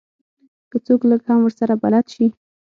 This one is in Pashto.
که څوک لږ هم ورسره بلد شي.